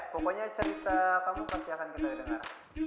pokoknya cerita kamu pasti akan kita dengar